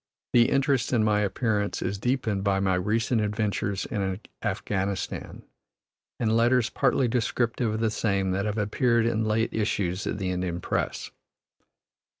The interest in my appearance is deepened by my recent adventures in Afghanistan and letters partly descriptive of the same that have appeared in late issues of the Indian press.